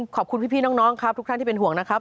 ขอบคุณพี่น้องครับทุกท่านที่เป็นห่วงนะครับ